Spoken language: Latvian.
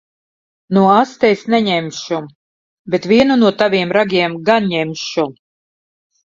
Nu asti es neņemšu. Bet vienu no taviem ragiem gan ņemšu.